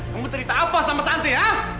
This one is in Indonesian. kamu cerita apa sama santai ya